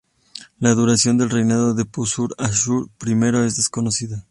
La duración del reinado de Puzur-Ashur I es desconocida.